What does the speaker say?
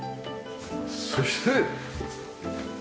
そして。